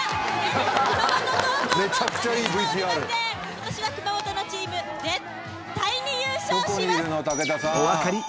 今年は熊本のチーム絶対に優勝します。